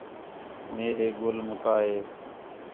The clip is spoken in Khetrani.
مے ہے ڳَل مُکا ہا